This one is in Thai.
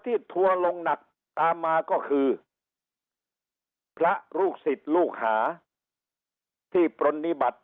ทัวร์ลงหนักตามมาก็คือพระลูกศิษย์ลูกหาที่ปรณิบัติ